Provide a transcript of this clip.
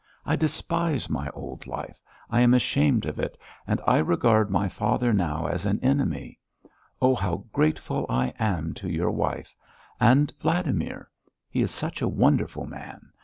I despise my old life. I am ashamed of it. And I regard my father now as an enemy. Oh, how grateful I am to your wife! And Vladimir. He is such a wonderful man!